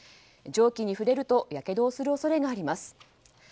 蒸気に触れるとやけどをする恐れもあります。